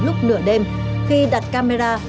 lúc nửa đêm khi đặt camera